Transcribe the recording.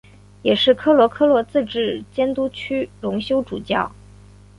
也是科罗科罗自治监督区荣休主教。